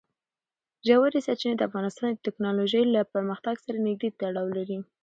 ژورې سرچینې د افغانستان د تکنالوژۍ له پرمختګ سره نږدې تړاو لري.